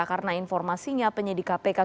karena informasinya penyidik kpk itu